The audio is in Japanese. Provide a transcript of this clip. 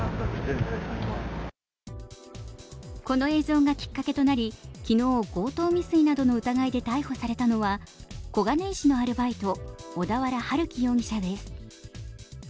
この映像がきっかけとなり昨日、強盗未遂などの疑いで逮捕されたのは小金井市のアルバイト小田原春輝容疑者です。